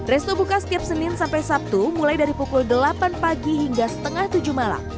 resto buka setiap senin sampai sabtu mulai dari pukul delapan pagi hingga setengah tujuh malam